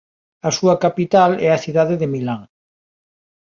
A súa capital é a cidade de Milán.